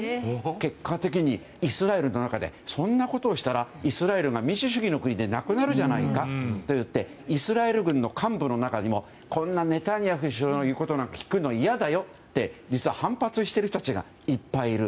結果的にイスラエルの中でそんなことをしたらイスラエルが民主主義の国ではなくなるじゃないかといってイスラエル軍の幹部の中にもこんなネタニヤフ首相の言うことなんか聞くの嫌だよって実は反発している人たちがいっぱいいる。